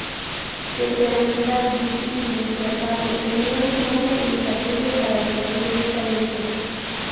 Temperamental, difícil, intratable, tenía un ojo infalible para descubrir talentos.